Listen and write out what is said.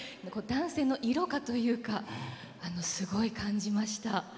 男性の色香というかすごい感じました。